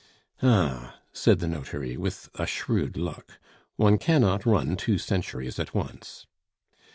"Ah!" said the notary, with a shrewd look, "one cannot run two centuries at once."